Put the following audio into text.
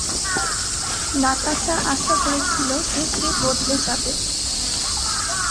নাতাশা আশা করেছিল যে সে বদলে যাবে।